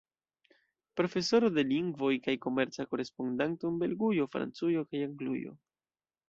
Profesoro de lingvoj kaj komerca korespondanto en Belgujo, Francujo kaj Anglujo.